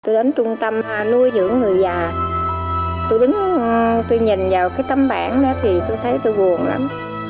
tôi đến trung tâm nuôi dưỡng người già tôi đứng tôi nhìn vào cái tấm bản đó thì tôi thấy tôi buồn lắm